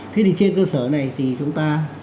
thế thì trên cơ sở này thì chúng ta